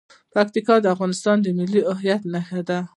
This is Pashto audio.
پکتیکا د افغانستان د ملي هویت نښه ده.